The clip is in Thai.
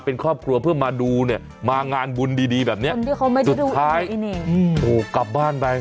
เป็นครอบครัวเพื่อมาดูเนี่ยมางานบุญดีแบบนี้สุดท้ายถูกกลับบ้านไป